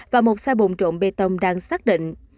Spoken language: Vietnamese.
và một xe bồn trộn bê tông đang xác định